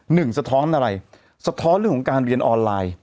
สะท้อนอะไรสะท้อนเรื่องของการเรียนออนไลน์